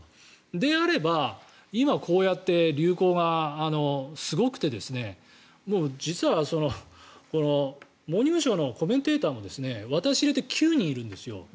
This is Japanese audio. であれば今こうやって流行がすごくて実は「モーニングショー」のコメンテーターも私入れて９人いるんですよ。